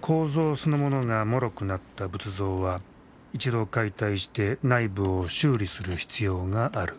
構造そのものがもろくなった仏像は一度解体して内部を修理する必要がある。